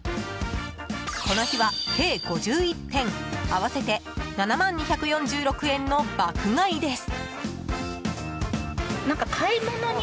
この日は計５１点、合わせて７万２４６円の爆買いです。